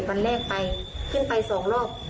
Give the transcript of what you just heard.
วันแรกไปขึ้นไปสองรอบ